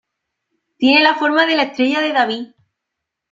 Tiene la forma de la estrella de David.